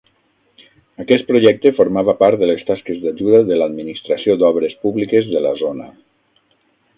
Aquest projecte formava part de les tasques d'ajuda de l'Administració d'Obres Públiques de la zona.